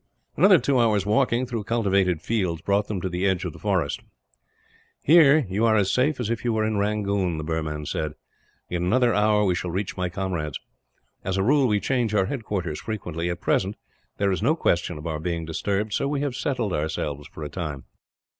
Another two hours' walking, through cultivated fields, brought them to the edge of the forest. "Here you are as safe as if you were in Rangoon," the Burman said. "In another hour we shall reach my comrades. As a rule, we change our headquarters frequently. At present there is no question of our being disturbed; so we have settled ourselves, for a time."